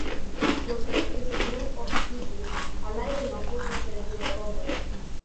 The Weave is a group of species allied in opposition to the Purpose.